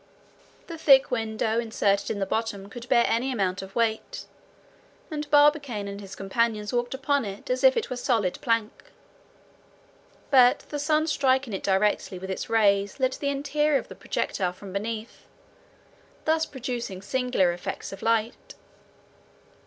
The thick window inserted in the bottom could bear any amount of weight, and Barbicane and his companions walked upon it as if it were solid plank; but the sun striking it directly with its rays lit the interior of the projectile from beneath, thus producing singular effects of light.